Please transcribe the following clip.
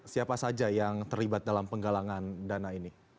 siapa saja yang terlibat dalam penggalangan dana ini